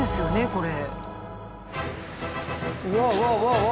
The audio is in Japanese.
これ？